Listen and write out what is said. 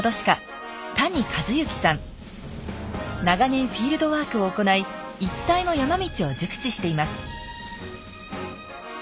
長年フィールドワークを行い一帯の山道を熟知しています